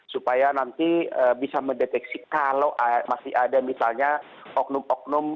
supaya nanti bisa mendeteksi kalau masih ada misalnya oknum oknum